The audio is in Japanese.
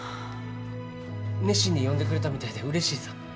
熱心に読んでくれたみたいでうれしいさ。